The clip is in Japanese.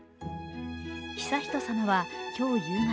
悠仁さまは今日夕方、